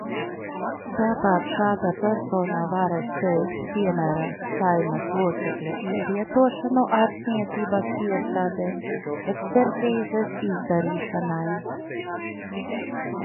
Tāpat šāda persona varēs veikt, piemēram, Saeimas locekļa ievietošanu ārstniecības iestādē ekspertīzes izdarīšanai.